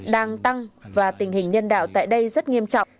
đang tăng và tình hình nhân đạo tại đây rất nghiêm trọng